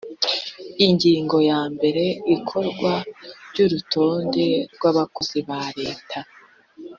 ingingo ya mbere ikorwa ry urutonde rw abakozi ba leta